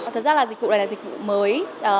thật ra là dịch vụ này là dịch vụ mới